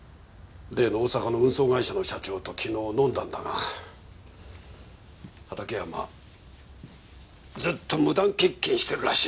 例の大阪の運送会社の社長と昨日飲んだんだが畑山ずっと無断欠勤してるらしい。